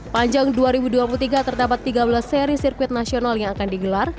panjang dua ribu dua puluh tiga terdapat tiga belas seri sirkuit nasional yang akan digelar